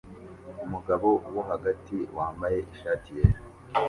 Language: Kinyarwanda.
Umugabo wo hagati wambaye ishati yera